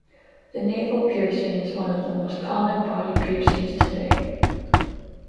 The navel piercing is one of the most common body piercings today.